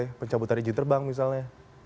apakah ada pencabutan izin terbang misalnya